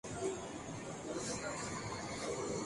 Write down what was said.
El fruto es una cápsula de poco más de un centímetro de largo.